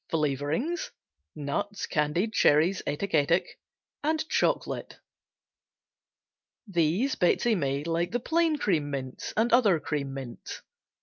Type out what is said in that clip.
Flavorings. Nuts, candied cherries, etc., etc. Chocolate. These Betsey made like the plain cream mints and other cream mints.